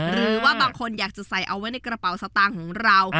หรือว่าบางคนอยากจะใส่เอาไว้ในกระเป๋าสตางค์ของเรา